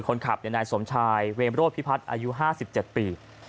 คนขับนายสมชายเวมโรธพิพัฒน์อายุ๕๗ปี